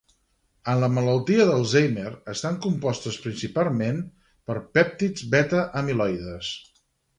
En la malaltia d'Alzheimer estan compostes principalment per pèptids beta amiloides.